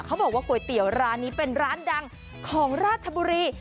เขาบอกว่าก๋วยเตี๋ยวร้านนี้เป็นร้านดังของราชบุรี